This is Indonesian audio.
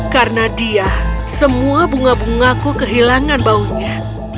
karena dia semua bunga bungaku kehilangan baunya